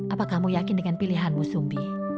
apa kamu yakin dengan pilihanmu sumbi